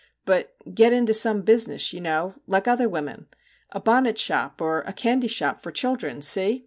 But get into some business you know, like other women. A bonnet shop, or a candy shop for children, see